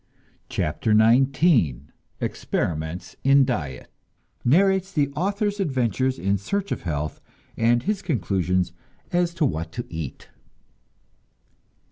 CHAPTER XIX EXPERIMENTS IN DIET (Narrates the author's adventures in search of health, and his conclusions as to what to eat.)